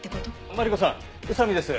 マリコさん宇佐見です。